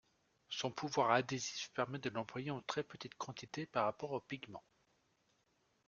Son pouvoir adhésif permet de l'employer en très petite quantité par rapport au pigment.